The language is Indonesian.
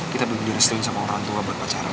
kita begitu diresetin sama orang tua buat pacaran